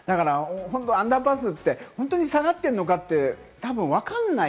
アンダーパスって本当に下がってるのかって、たぶんわからない。